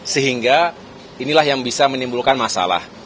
sehingga inilah yang bisa menimbulkan masalah